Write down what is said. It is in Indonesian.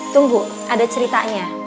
tunggu ada ceritanya